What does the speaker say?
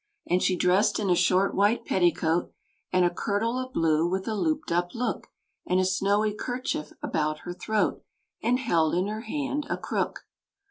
And she dressed in a short white petticoat, And a kirtle of blue, with a looped up look, And a snowy kerchief about her throat, And held in her hand a crook.